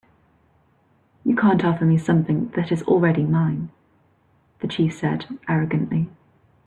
"You can't offer me something that is already mine," the chief said, arrogantly.